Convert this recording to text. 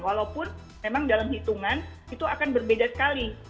walaupun memang dalam hitungan itu akan berbeda sekali